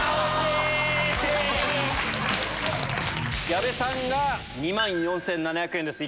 矢部さんが２万４７００円です